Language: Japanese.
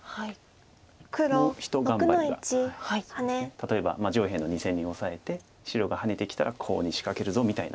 例えば上辺の２線にオサえて白がハネてきたらコウに仕掛けるぞみたいな。